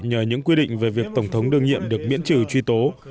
nhờ những quy định về việc tổng thống đương nhiệm được miễn trừ truy tố